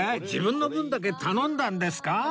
自分の分だけ頼んだんですか？